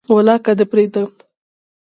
ولاکه دي پریږدم